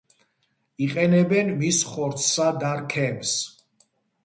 იყენებენ მის ხორცსა და რქებს.